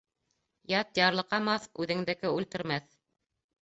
Ят ярлыҡамаҫ, үҙеңдеке үлтермәҫ.